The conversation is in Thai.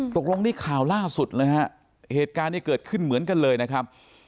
ตกลงนี่ข่าวล่าสุดเลยฮะเหตุการณ์นี้เกิดขึ้นเหมือนกันเลยนะครับ